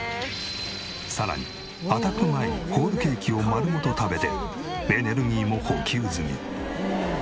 さらにアタック前にホールケーキを丸ごと食べてエネルギーも補給済み。